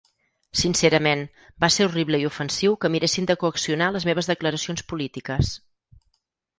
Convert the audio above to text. Sincerament, va ser horrible i ofensiu que miressin de coaccionar les meves declaracions polítiques.